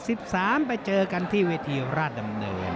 นี่ละ๑๓ไปเจอกันที่เวทีราชดำเนิน